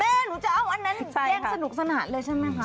แม่หนูจะเอาอันนั้นเลี้ยงสนุกสนาดเลยใช่มั้ยคะเนี่ยมั้ยคะ